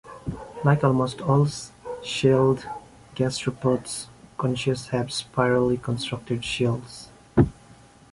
Like almost all shelled gastropods, conches have spirally constructed shells.